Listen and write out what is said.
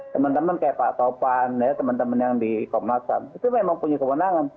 teman teman kayak pak taupan teman teman yang di komnasan itu memang punya kewenangan